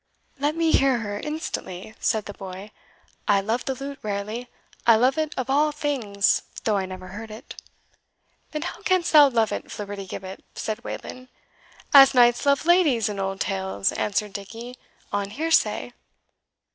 "Let me hear her instantly," said the boy, "I love the lute rarely; I love it of all things, though I never heard it." "Then how canst thou love it, Flibbertigibbet?" said Wayland. "As knights love ladies in old tales," answered Dickie "on hearsay."